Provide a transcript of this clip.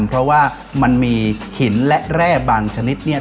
เพราะว่ามันมีหินและแร่บางชนิดเนี่ย